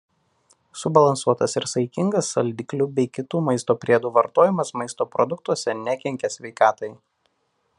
Subalansuotas ir saikingas saldiklių bei kitų maisto priedų vartojimas maisto produktuose nekenkia sveikatai.